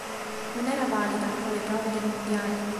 Non era valida quale prova del mondiale.